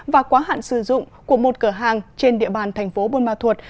và quá hạn sử dụng của một cửa hàng trên địa bàn thành phố buôn ma thuột